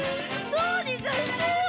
どうにかしてよ！